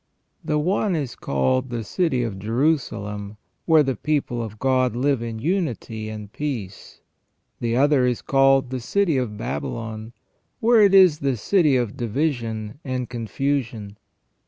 The one is called the city of Jerusalem, where the people of God live in unity and peace. The other is called the city of Babylon, because it is the city of division and confusion.